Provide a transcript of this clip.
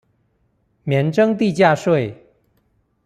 免徵地價稅